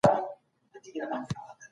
ځوانان هره ورځ په میدانونو کي کرکټ کوي.